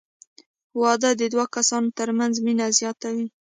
• واده د دوه کسانو تر منځ مینه زیاتوي.